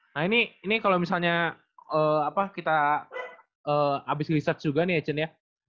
nah ini kalo misalnya kita abis research juga nih ya cien ya